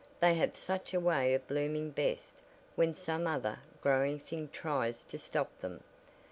They have such a way of blooming best when some other growing thing tries to stop them.